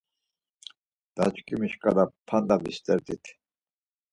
Daçkimi şkala p̌anda vistert̆it.